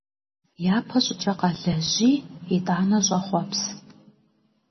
Япэщӏыкӏэ къэлэжьи, итӏанэ щӏэхъуэпс.